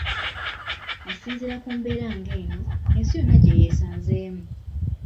Asinziira ku mbeera ngeno, ensi yonna gye yeesanzeemu